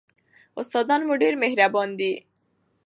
استادان مو ډېر مهربان دي.